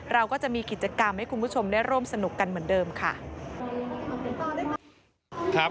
เราก็จะมีกิจกรรมให้คุณผู้ชมได้ร่วมสนุกกันเหมือนเดิมค่ะ